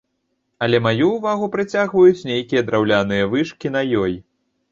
Але маю ўвагу прыцягваюць нейкія драўляныя вышкі на ёй.